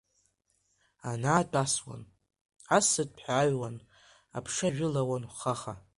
Анаатә асуан, асыҭәҳәа аҩуан, аԥша жәылауан хаха.